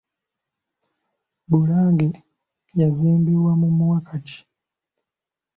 Bulange yazimbibwa mu mwaka ki?